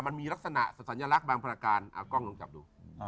มันมีลักษณะสัญลักษณ์บางประการเอากล้องลงจับดู